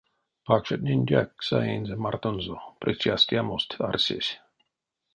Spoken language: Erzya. Пакшатненьгак саинзе мартонзо, причастиямост арсесь.